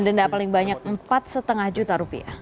denda paling banyak rp empat lima juta